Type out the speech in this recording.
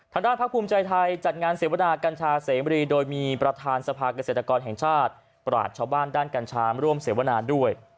พักภูมิใจไทยจัดงานเสวนากัญชาเสมรีโดยมีประธานสภาเกษตรกรแห่งชาติปราศชาวบ้านด้านกัญชามาร่วมเสวนาด้วย